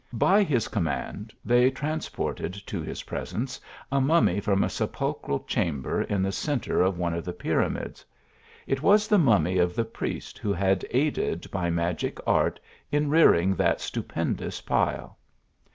By his command they transported to his presence a rnummj from a sepulchral chamber in the centre of one of the Pyramids. It was the mummy of the pries who had aided by magic art in rearing that stupend ous pile.